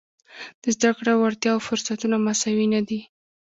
د زده کړې او وړتیاوو فرصتونه مساوي نه دي.